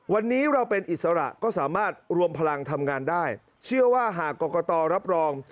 วันนี้เราเป็นอิสระก็สามารถรวมพลังทำงานได้เชื่อว่าหากกรกตรับรอง